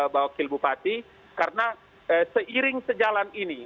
bawakil bupati karena seiring sejalan ini